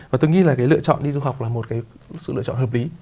và tôi nghĩ là cái lựa chọn đi du học là một cái sự lựa chọn hợp lý